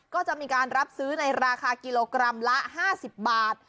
ก็จะมีการรับซื้อในราคากิโลกรัมละ๕๐บาท